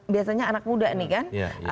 biasanya anak muda nih kan